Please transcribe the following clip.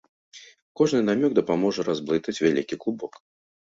Кожны намёк дапаможа разблытаць вялікі клубок.